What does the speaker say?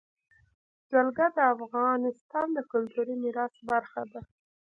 جلګه د افغانستان د کلتوري میراث برخه ده.